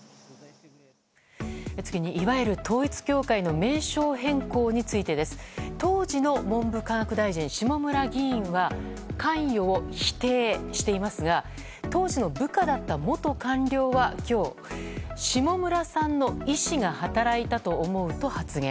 次に、いわゆる統一教会の名称変更についてです当時の文部科学大臣、下村議員は関与を否定していますが当時の部下だった元官僚は今日、下村さんの意思が働いたと思うと発言。